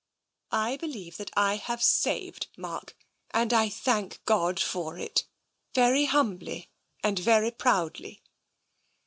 I believe that I have saved Mark — and I thank God for it, very himibly, and very proudly.